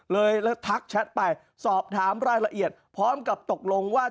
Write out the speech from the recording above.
ทักแชทไปสอบถามรายละเอียดพร้อมกับตกลงว่า